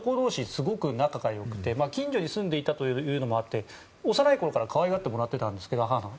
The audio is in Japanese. すごく仲が良くて近所に住んでいたというのもあって幼いころから可愛がってもらっていたんですが